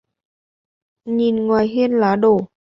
Nhìn ngoài hiên lá đổ